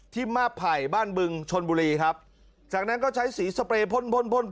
ที่มาพ่ายบ้านบึงชนบุรีครับจากนั้นก็ใช้สีสเปรย์พ่น